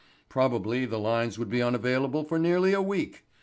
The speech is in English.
Probably the lines would be unavailable for nearly a week.